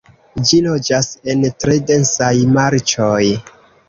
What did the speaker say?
Ĝi loĝas en tre densaj marĉoj.